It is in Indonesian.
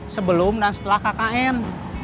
sebelum dan setelah kkn